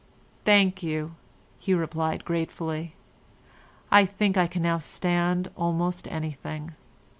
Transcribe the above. "Thank you," he replied, gratefully, "I think I can now stand almost anything.